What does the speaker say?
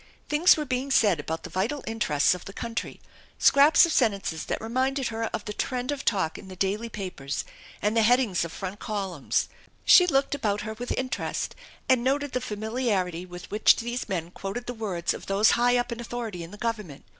Things were being said about the vital interests of the country, scraps of sentences that reminded her of ihe trend *vf talk in the daily papers, and the headings o* front columns. THE ENCHANTED BARN 243 [She looked about her with interest and noted the familiarity with which these men quoted the words of those high up in authority in the government.